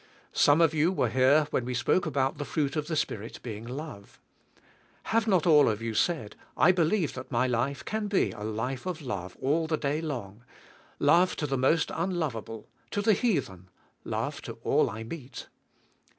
Some of you were here when we spoke about the fruit of the Spirit being love. Have not all of you said, I believe that my life can be a life of love all the day long — love to the most unlovable, to the heathen, love to all I meet?